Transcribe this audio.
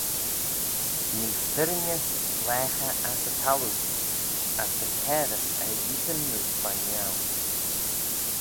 Nee firrinys blaaghey ass y thalloo: as ta cairys er yeeaghyn neose veih niau.